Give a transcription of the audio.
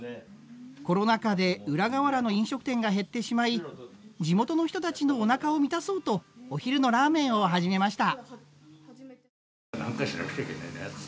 コロナ禍で浦川原の飲食店が減ってしまい地元の人たちのおなかを満たそうとお昼のラーメンを始めました。